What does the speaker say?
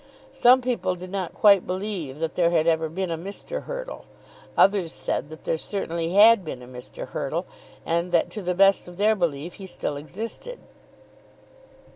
Some people did not quite believe that there ever had been a Mr. Hurtle. Others said that there certainly had been a Mr. Hurtle, and that to the best of their belief he still existed.